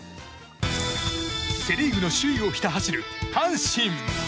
セ・リーグの首位をひた走る阪神。